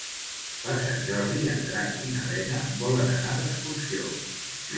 Per Sant Jordi en Drac i na Lena volen anar d'excursió.